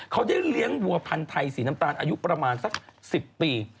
เขาได้เลี้ยงวัวพันธ์ไทยสีน้ำตาลอายุประมาณสัก๑๐ปี